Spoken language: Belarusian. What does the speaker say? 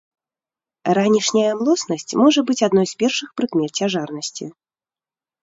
Ранішняя млоснасць можа быць адной з першых прыкмет цяжарнасці.